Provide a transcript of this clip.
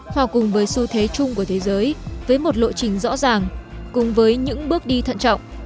hòa cùng với xu thế chung của thế giới với một lộ trình rõ ràng cùng với những bước đi thận trọng